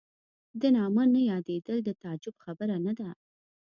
د نامه نه یادېدل د تعجب خبره نه ده.